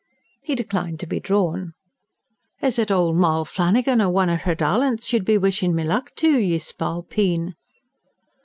He declined to be drawn. "Is it old Moll Flannigan or one of her darlints you'd be wishing me luck to, ye spalpeen?"